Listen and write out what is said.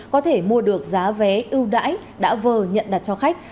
có thể mua được giá vé ưu đãi đã vờ nhận đặt cho khách